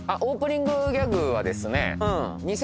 オープニングギャグはですねうん